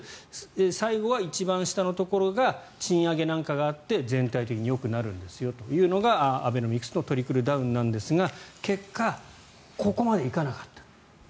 最後は一番下のところが賃上げなんかがあって全体的によくなるんですよというのがアベノミクスのトリクルダウンなんですが結果、ここまでいかなかった。